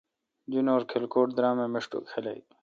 جنور کلکوٹ درام اے میشٹوک خلق۔